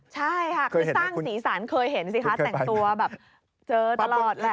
ใช่ค่ะคือสร้างสีสันเคยเห็นสิคะแต่งตัวแบบเจอตลอดแหละ